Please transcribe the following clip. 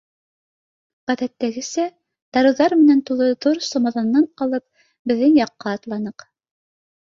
Ғәҙәттәгесә, дарыуҙар менән тулы ҙур сумаҙанын алып, беҙҙең яҡҡа атланыҡ.